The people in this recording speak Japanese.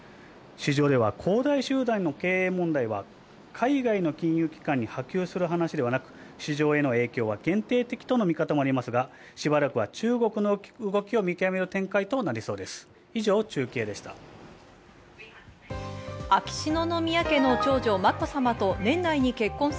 市場では恒大集団の経営問題は海外の金融機関に波及する話ではなく、市場への影響は限定的との見方もありますが、しばらくは中国の動きを見極める展開となりそうです。